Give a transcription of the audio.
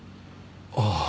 ああ